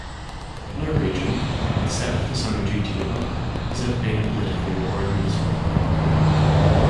No region, except for Samogitia, has ever been a political or an administrative entity.